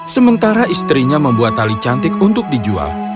sementara istrinya membuat tali cantik untuk dijual